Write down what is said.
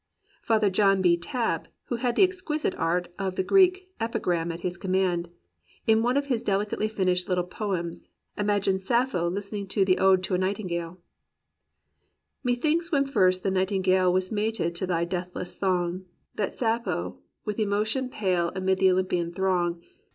'* Father John B. Tabb, who had the exquisite art of the Greek epigram at his command, in one of his delicately finished little poems, imagined Sappho listening to the "Ode to a Nightingale'*: "Methinks when first the nightingale Was mated to thy deathless song. That Sappho with emotion pale Amid the Olympian throng.